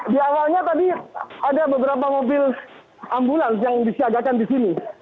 di awalnya tadi ada beberapa mobil ambulans yang disiagakan di sini